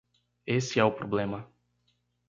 Esse é o problema.